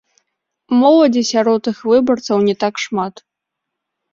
Моладзі сярод іх выбарцаў не так шмат.